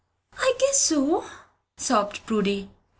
"I guess so," sobbed Prudy.